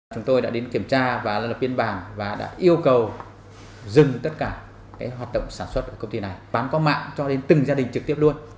chúng tôi đã đến kiểm tra và lập biên bản và đã yêu cầu dừng tất cả hoạt động sản xuất của công ty này bán qua mạng cho đến từng gia đình trực tiếp luôn